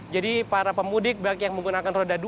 jadi para pemudik yang menggunakan roda dua